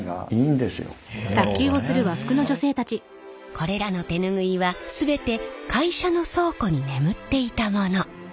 これらの手ぬぐいは全て会社の倉庫に眠っていたもの。